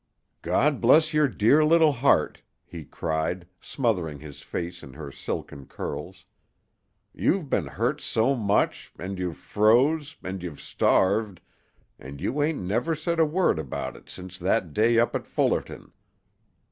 "God bless your dear little heart," he cried, smothering his face in her silken curls. "You've been hurt so much, an' you've froze, an' you've starved, an' you ain't never said a word about it since that day up at Fullerton!